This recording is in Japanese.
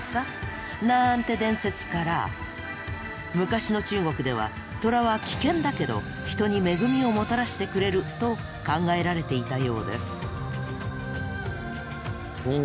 なんて伝説から昔の中国では「トラは危険だけど人に恵みをもたらしてくれる」と考えられていたようです。